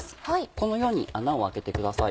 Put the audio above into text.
このように穴を開けてください